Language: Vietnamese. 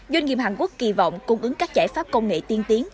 doanh nghiệp hàn quốc kỳ vọng cung ứng các giải pháp công nghệ tiên tiến